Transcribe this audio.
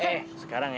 eh sekarang ya